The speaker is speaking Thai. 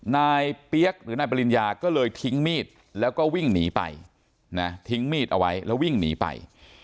เปี๊ยกหรือนายปริญญาก็เลยทิ้งมีดแล้วก็วิ่งหนีไปนะทิ้งมีดเอาไว้แล้ววิ่งหนีไป